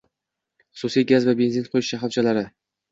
Hususiy gaz va benzin quyish shahobchalari